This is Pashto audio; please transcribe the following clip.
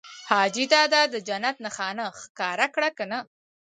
حاجي دادا د جنت نښانه ښکاره کړه که نه؟